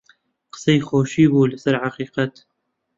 قسەی خۆشی بوو لەسەر حەقیقەت